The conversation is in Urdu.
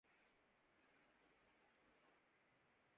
اس کے ساتھ ساتھ مختلف صوبوں میں لباس، کھانے، زبان